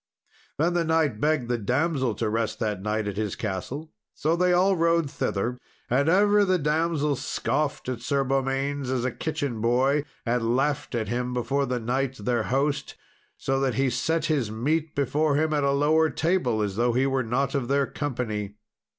Then the knight begged the damsel to rest that night at his castle. So they all rode thither, and ever the damsel scoffed at Sir Beaumains as a kitchen boy, and laughed at him before the knight their host, so that he set his meat before him at a lower table, as though he were not of their company.